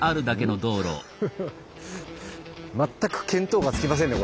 全く見当がつきませんね